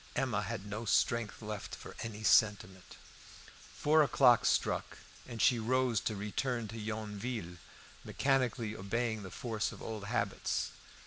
Emma had no strength left for any sentiment. Four o'clock struck, and she rose to return to Yonville, mechanically obeying the force of old habits.